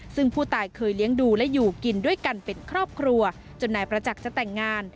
ซึ่งผู้ตายเคยเลี้ยงดูและอยู่กินด้วยกันเป็นครอบครัวจนนายประจักษ์จะแต่งงาน